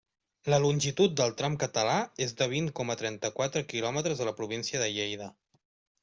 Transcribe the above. La longitud del tram català és de vint coma trenta-quatre quilòmetres a la província de Lleida.